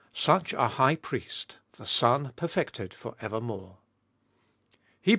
SUCH A HIGH PRIEST, THE SON PERFECTED FOR EVERMORE.